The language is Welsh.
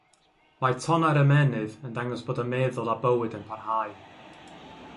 Mae tonnau'r ymennydd yn dangos bod y meddwl a bywyd yn parhau.